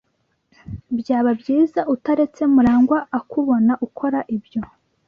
Byaba byiza utaretse Murangwa akubona ukora ibyo.